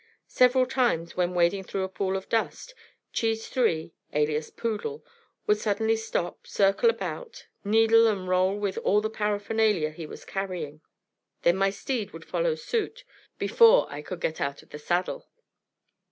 Several times when wading through a pool of dust, Cheese III, alias Poodle, would suddenly stop, circle about, kneel and roll with all the paraphernalia he was carrying. Then my steed would follow suit, before I could get out of the saddle.